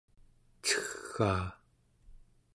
cegaa